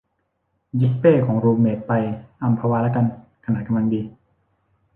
ยึดเป้ของรูมเมทไปอัมพวาละกัน ขนาดกำลังดี